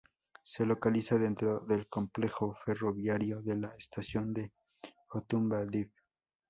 Se localiza dentro del Complejo ferroviario de la estación de Otumba Div.